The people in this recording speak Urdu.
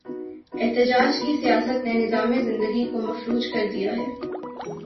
احتجاج کی سیاست نے نظام زندگی کو مفلوج کر دیا ہے۔